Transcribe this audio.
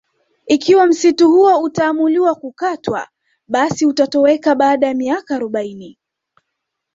Ikiwa msitu huo utaamuliwa kukatwa basi utatoweka baada ya miaka arobaini